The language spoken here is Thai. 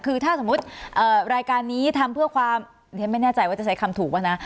คือถ้าสมมุติรายการนี้ทำเพื่อความฉันไม่แน่ใจว่าจะใช้คำถูกว่านะ